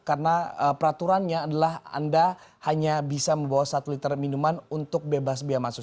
karena peraturannya adalah anda hanya bisa membawa satu liter minuman untuk bebas biaya masuk